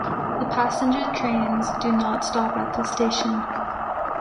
The passenger trains do not stop at this station.